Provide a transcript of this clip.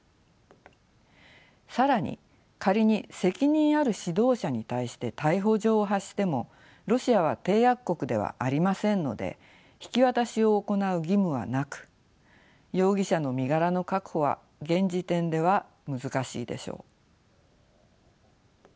更に仮に責任ある指導者に対して逮捕状を発してもロシアは締約国ではありませんので引き渡しを行う義務はなく容疑者の身柄の確保は現時点では難しいでしょう。